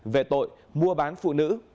về tội mua bán phụ nữ